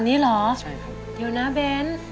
อ๋ออันนี้เหรอใช่ครับเดี๋ยวนะเบน